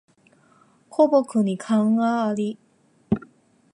枯木に寒鴉あり